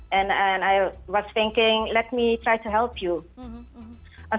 dan saya berpikir biar saya coba membantu anda